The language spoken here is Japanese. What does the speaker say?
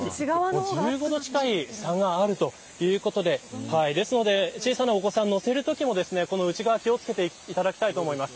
１５度近い差があるということでですので小さなお子さんを乗せるときも内側に気を付けていただきたいと思います。